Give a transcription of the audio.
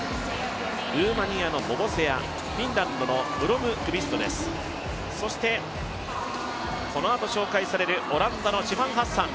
ルーマニアのボボセア、フィンランドのブロムクビストそして、このあと紹介されるオランダのシファン・ハッサン。